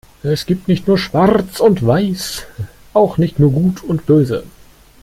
Es gibt nicht nur Schwarz und Weiß, auch nicht nur Gut und Böse.